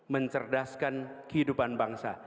mencerdaskan kehidupan bangsa